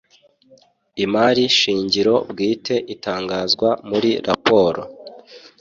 Imari shingiro bwite itangazwa muri raporo